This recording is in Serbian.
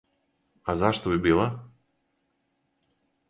А зашто би била?